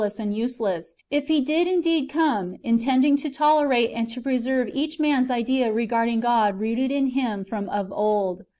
303 and useless, if He did indeed come intending to tolerate and to preserve each man's idea regarding God rooted in him from of old.